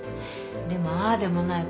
でもああでもない